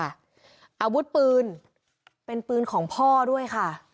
อาวุธปืนเป็นปืนของพ่อด้วยค่ะ